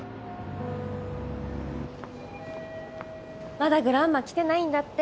まだグランマ来てないんだって。